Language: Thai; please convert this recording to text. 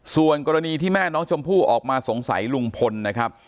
ส่วนกรณีที่แม่น้องชมพู่ออกมาสงสัยลุงพลนะครับ